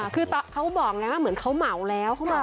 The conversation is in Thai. คือเขาบอกไงว่าเหมือนเขาเหมาแล้ว